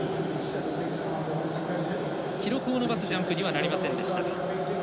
記録を伸ばすジャンプにはなりませんでした。